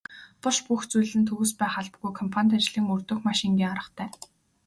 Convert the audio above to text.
Буш бүх зүйл нь төгс байх албагүй компанит ажлыг мөрдөх маш энгийн аргатай.